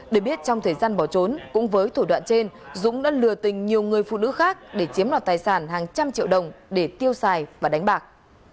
để biết trong thời gian bỏ trốn cũng với thủ đoạn trên dũng đã lừa tình nhiều người phụ nữ khác để chiếm đoạt tài sản hàng trăm triệu đồng để tiêu xài và đánh bạc